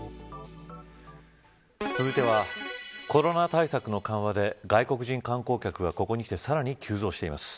続いてはコロナ対策の緩和で外国人観光客がここにきてさらに急増しています。